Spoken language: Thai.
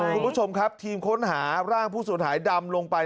คุณผู้ชมครับทีมค้นหาร่างผู้สูญหายดำลงไป